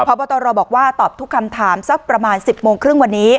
เพราะว่าตอนเราบอกว่าตอบทุกคำถามซักประมาณสิบโมงครึ่งวันนี้